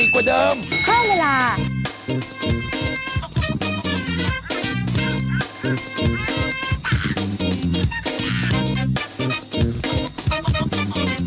ค่ะ